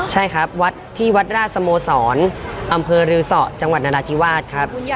ใช่ครับที่วัดราศโมศรอำเภอรึสะจังหวัดนรัฐิวาทครับ